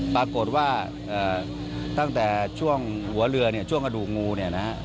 ปรากฏว่าตั้งแต่ช่วงหัวเรือเนี่ยช่วงกระดูกงูเนี่ยนะฮะ